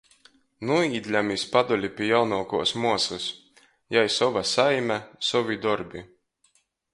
Nūīdļam iz Padoli pi jaunuokuos muosys – jai sova saime, sovi dorbi.